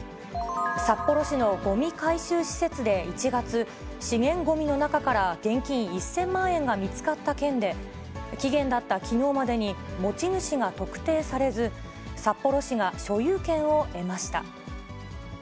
札幌市のごみ回収施設で１月、資源ごみの中から現金１０００万円が見つかった件で、期限だったきのうまでに持ち主が特定されず、札幌市が所有権を得ました。